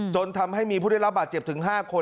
จนทำให้มีผู้ได้รับบาดเจ็บถึง๕คน